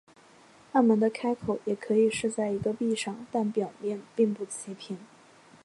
暗门的开口也可以是在一个壁上但表面并不齐平。